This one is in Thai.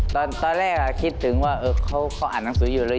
ตอนแรกคิดถึงว่าเขาอ่านหนังสืออยู่เลย